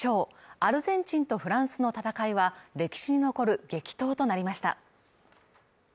アルゼンチンとフランスの戦いは歴史に残る激闘となりました